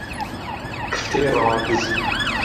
کفتەی ڕەواندز